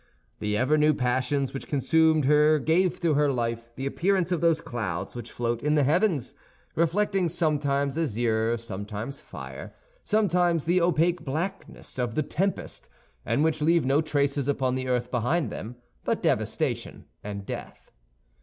The ever new passions which consumed her gave to her life the appearance of those clouds which float in the heavens, reflecting sometimes azure, sometimes fire, sometimes the opaque blackness of the tempest, and which leave no traces upon the earth behind them but devastation and death.